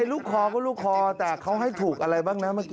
ลูกคอก็ลูกคอแต่เขาให้ถูกอะไรบ้างนะเมื่อก